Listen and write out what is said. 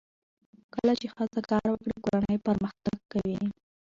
کله چې ښځه کار وکړي، کورنۍ پرمختګ کوي.